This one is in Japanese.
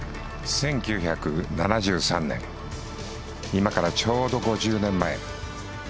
１９７３年今からちょうど５０年前。